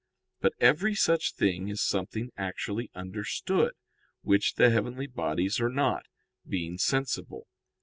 But every such thing is something actually understood, which the heavenly bodies are not, being sensible.